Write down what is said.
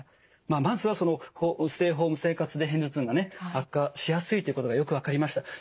まあまずはステイホーム生活で片頭痛がね悪化しやすいということがよく分かりました。